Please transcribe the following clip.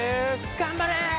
頑張れ！